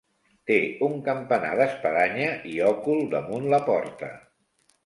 Té un campanar d'espadanya, i òcul damunt la porta.